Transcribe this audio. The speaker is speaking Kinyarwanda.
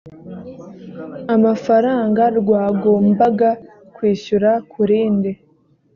amafaranga rwagombaga kwishyura ku rindi